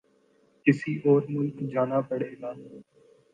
کسی اور ملک جانا پڑے گا